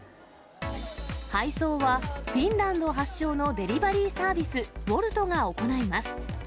配送はフィンランド発祥のデリバリーサービス、ウォルトが行います。